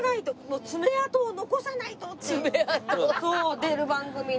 出る番組に。